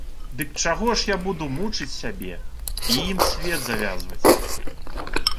Дык чаго ж я буду мучыць сябе і ім свет завязваць?